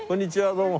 どうも。